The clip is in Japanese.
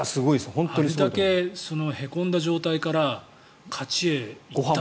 あれだけへこんだ状態から勝ちへ行ったと。